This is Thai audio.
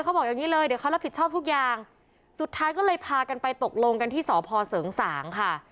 อย่างงี้เลยเดี๋ยวเขารับผิดชอบทุกอย่างสุดท้ายก็เลยพากันไปตกลงกันที่สพเสริงสางค่ะ